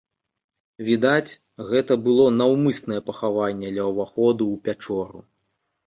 Відаць, гэта было наўмыснае пахаванне ля ўваходу ў пячору.